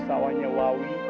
di sawahnya wawi